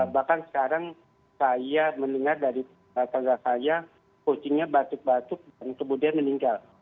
bahkan sekarang saya mendengar dari tangga saya kucingnya batuk batuk dan kemudian meninggal